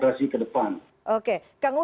juga ada ketimbang